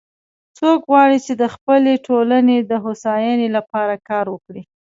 څوک غواړي چې د خپلې ټولنې د هوساینی لپاره کار وکړي